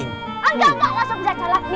enggak enggak masuk bisa calak